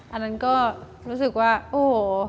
อันนั้นก็รู้สึกว่าโอ้โห